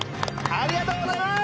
ありがとうございます。